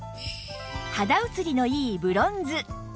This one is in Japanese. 肌映りのいいブロンズ